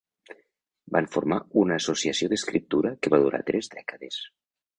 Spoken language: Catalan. Van formar una associació d'escriptura que va durar tres dècades.